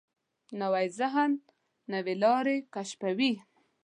نوی ذهن نوې لارې کشفوي